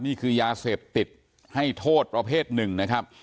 นี่คือยาเสพติดให้โทษประเภทหนึ่งนะครับ